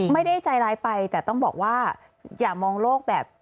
ไม่ได้ใจร้ายไปแต่ต้องบอกว่าอย่ามองโลกแบบ